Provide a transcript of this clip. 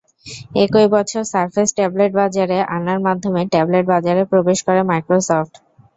একই বছর Surface tablet বাজারে আনার মাধ্যমে ট্যাবলেট বাজারে প্রবেশ করে মাইক্রোসফট।